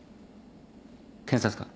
検察官。